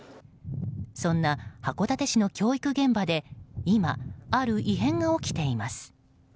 そんな函館市の教育現場で今、ある異変が起きています。